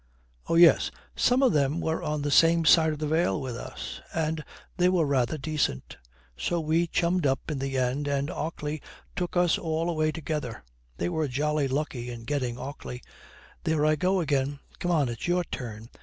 'Oh yes. Some of them were on the same side of the veil with us, and they were rather decent; so we chummed up in the end and Ockley took us all away together. They were jolly lucky in getting Ockley. There I go again! Come on, it's your turn.